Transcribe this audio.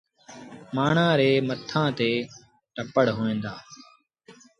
مآڻهآن ري مٿآن تي ٽپڙ هُݩدآ۔